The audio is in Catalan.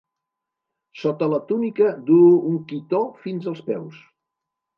Sota la túnica duu un "quitó" fins els peus.